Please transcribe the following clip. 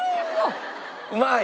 うまい？